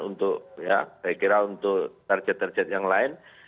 untuk meraih kemenangan untuk target target yang lain